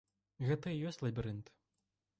Гэта і ёсць лабірынт.